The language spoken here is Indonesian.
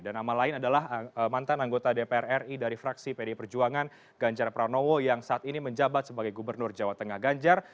dan nama lain adalah mantan anggota dpr ri dari fraksi pd perjuangan ganjar pranowo yang saat ini menjabat sebagai gubernur jawa tengah ganjar